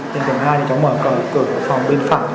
lên tầng hai thì cháu mở cửa phòng bên phẳng